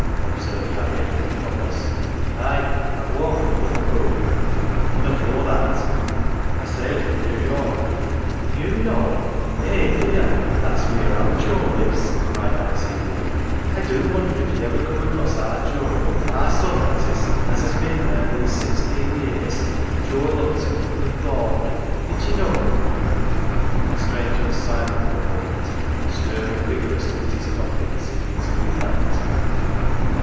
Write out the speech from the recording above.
" observed Harry after a pause. " Aye, I've walked from Liverpool." An' afore that ?"" I sailed from New York." " New York, eh dear ! that's wheer our Joe lives," cried Alice eagerly. " I do wonder if ye ever come across our Joe our son that is, as has been there these sixteen year. Joe Lupton from Thornleigh. Did ye know him ?" 238 "OUR JOE" The stranger was silent for a moment, stirring vigor ously at his coffee, and seeming to reflect.